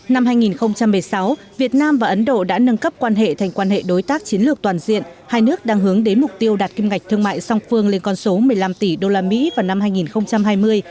năm hai nghìn một mươi sáu việt nam và ấn độ đã nâng cấp quan hệ thành quan hệ đối tác chiến lược toàn diện hai nước đang hướng đến mục tiêu đạt kim ngạch thương mại song phương lên con số một mươi năm tỷ usd vào năm hai nghìn hai mươi